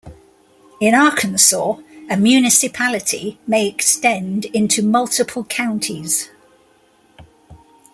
In Arkansas, a municipality may extend into multiple counties.